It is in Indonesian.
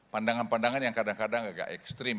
pandangan pandangan yang kadang kadang agak ekstrim